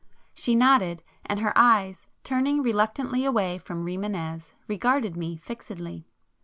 She nodded, and her eyes, turning reluctantly away from Rimânez, regarded me fixedly.